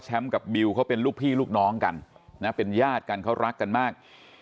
กับบิวเขาเป็นลูกพี่ลูกน้องกันนะเป็นญาติกันเขารักกันมาก